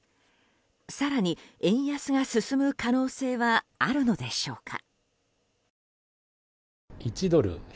更に円安が進む可能性はあるのでしょうか。